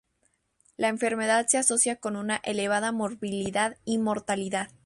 La enfermedad se asocia con una elevada morbilidad y mortalidad.